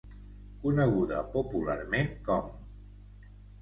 Coneguda popularment com: